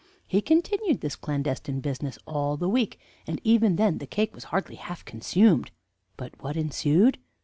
He continued this clandestine business all the week, and even then the cake was hardly half consumed. But what ensued?